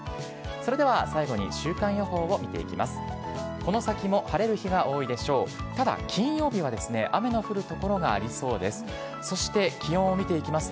それでは最後に週間予報を見ていきます。